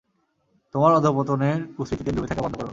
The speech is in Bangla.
তোমার অধঃপতনের কূস্মৃতিতে ডুবে থাকা বন্ধ করো।